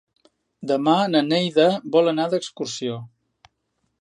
Demà na Neida vol anar d'excursió.